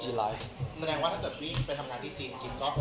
แสดงว่าถ้าเจ้าพี่เป็นทำงานที่จริง